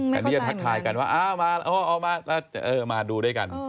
อันนี้จะทักทายกันว่ามาดูด้วยกัน